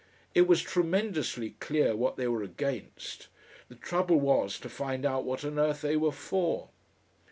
It was tremendously clear what they were against. The trouble was to find out what on earth they were for!...